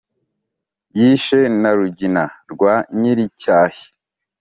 Yishe na Rugina rwa nyir’icyahi.